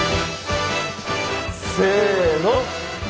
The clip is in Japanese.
せの！